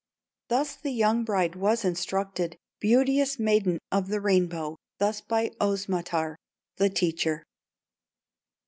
Thus the young bride was instructed, Beauteous Maiden of the Rainbow, Thus by Osmotar, the teacher.